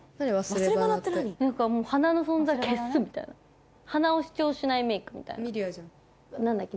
忘れ鼻って鼻の存在消すみたいな鼻を主張しないメイクみたいな美里亜じゃん何だっけ？